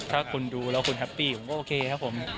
ถ้าคุณดูแล้วคุณแฮปปี้ผมก็โอเคครับผม